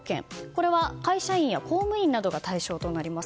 これは、会社員や公務員などが対象となります。